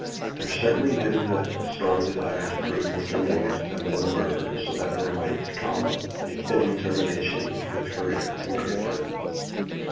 There certainly did exist a strong desire to prove Mr. Emilius to have been a murderer, so that there might come a fitting termination to his career in Great Britain.